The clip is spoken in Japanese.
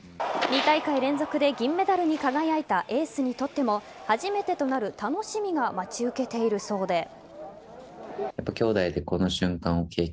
２大会連続で銀メダルに輝いたエースにとっても初めてとなる楽しみが待ち受けているそうで。